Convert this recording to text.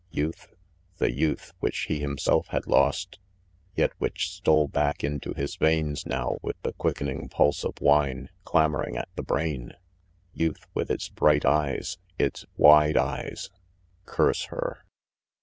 Youth? The youth, which he himself had lost; yet which stole back into his veins now with the quickening pulse of wine clamoring at the brain! Youth, with its bright eyes, its wide eyes curse her!